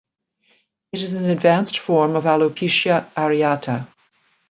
It is an advanced form of alopecia areata.